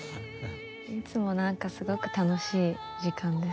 いつも何かすごく楽しい時間です。